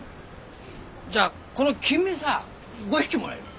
じゃあこのキンメさ５匹もらえる？